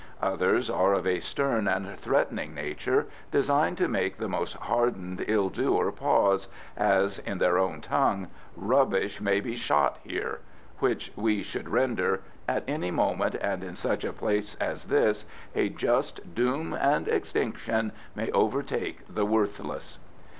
Others are of a stern and threatening nature, designed to make the most hardened ill doer pause, as in their own tongue "Rubbish may be shot here"; which we should render, "At any moment, and in such a place as this, a just doom and extinction may overtake the worthless."